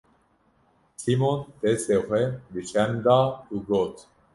Sîmon destê xwe di çerm da û got: